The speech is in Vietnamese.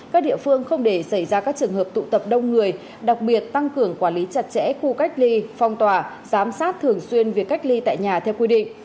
các địa phương không để xảy ra các trường hợp tụ tập đông người đặc biệt tăng cường quản lý chặt chẽ khu cách ly phong tỏa giám sát thường xuyên việc cách ly tại nhà theo quy định